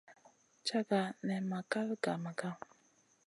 Caga nan ma kal gah Maga.